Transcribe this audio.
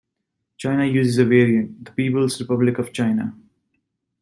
China uses a variant, "The People's Republic of China".